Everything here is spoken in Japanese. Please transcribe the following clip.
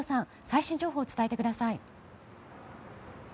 最新情報を伝えてください。